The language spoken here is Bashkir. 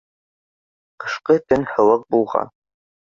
Ҡышҡы төн һыуыҡ булған